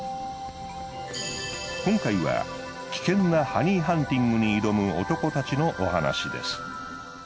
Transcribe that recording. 今回は危険なハニーハンティングに挑む男たちのお話です。